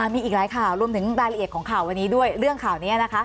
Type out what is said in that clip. มีอีกหลายข่าวรวมถึงรายละเอียดของข่าววันนี้ด้วยเรื่องข่าวนี้นะคะ